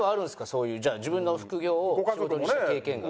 そういうじゃあ自分の副業を仕事にした経験が。